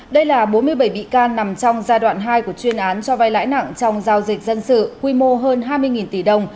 đây là bốn mươi bảy bị can nằm trong giai đoạn hai của chuyên án cho vai lãi nặng trong giao dịch dân sự quy mô hơn hai mươi tỷ đồng